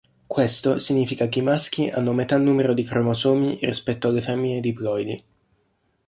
Questo significa che i maschi hanno metà numero di cromosomi rispetto alle femmine diploidi.